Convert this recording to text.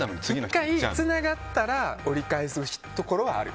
１回つながったら折り返すところもある。